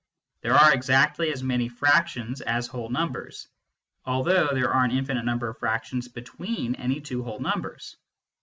There are exactly as many fractions as whole numbers, although there are an infinite number of fractions between any two whole numbers.